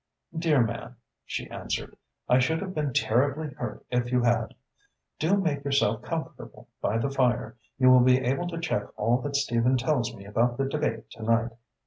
"Dear man," she answered, "I should have been terribly hurt if you had. Do make yourself comfortable by the fire. You will be able to check all that Stephen tells me about the debate to night.